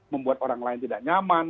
membuat orang lain tidak nyaman